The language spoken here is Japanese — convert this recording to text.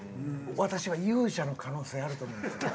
私は勇者の可能性あると思うんですよ。